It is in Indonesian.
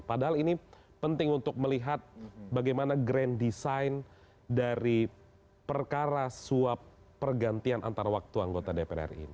padahal ini penting untuk melihat bagaimana grand design dari perkara suap pergantian antar waktu anggota dpr ri